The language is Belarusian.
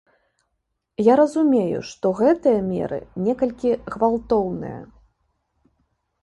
Я разумею, што гэтыя меры некалькі гвалтоўныя.